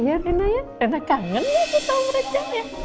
kayaknya reina ya reina kangen lagi sama mereka ya